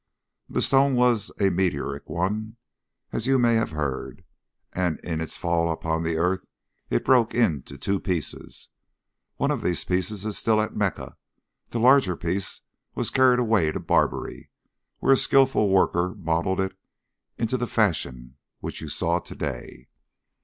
The stone was a meteoric one, as you may have heard, and in its fall upon the earth it broke into two pieces. One of these pieces is still at Mecca. The larger piece was carried away to Barbary, where a skilful worker modelled it into the fashion which you saw to day.